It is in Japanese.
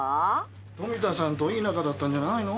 富田さんといい仲だったんじゃないの？